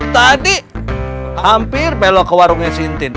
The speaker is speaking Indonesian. tadi hampir belok ke warungnya si intin